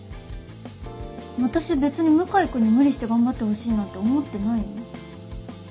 私別に向井君に無理して頑張ってほしいなんて思ってないよ。